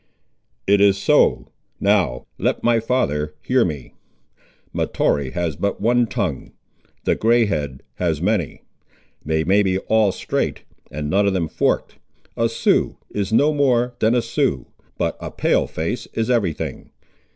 "It is so. Now let my father hear me. Mahtoree has but one tongue, the grey head has many. They may be all straight, and none of them forked. A Sioux is no more than a Sioux, but a Pale face is every thing!